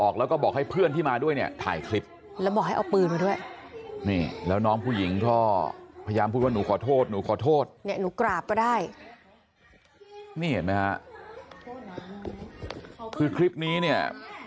คือคลิปนี้เนี่ย